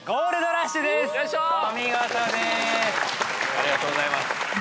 ありがとうございます。